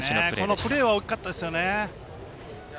このプレーは大きかったですね。